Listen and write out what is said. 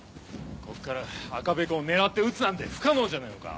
ここから赤べこを狙って撃つなんて不可能じゃねえのか？